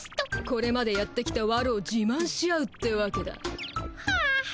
これまでやってきたわるを自まんし合うってわけだ。はあ。